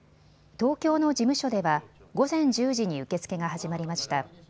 東京の事務所では午前１０時に受け付けが始まりました。